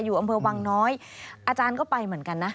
อำเภอวังน้อยอาจารย์ก็ไปเหมือนกันนะ